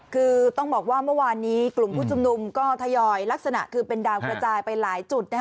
คือต้องบอกว่าเมื่อวานนี้กลุ่มผู้ชุมนุมก็ทยอยลักษณะคือเป็นดาวกระจายไปหลายจุด